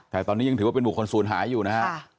แต่ตอนนี้ยังถือว่าเป็นบุคคลศูนย์หายอยู่นะฮะ